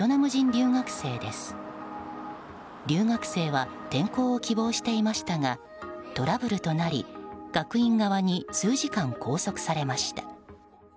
留学生は転校を希望していましたがトラブルとなり学院側に数時間拘束されました。